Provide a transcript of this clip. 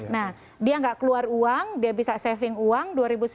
nah dia gak keluar uang dia bisa saving uang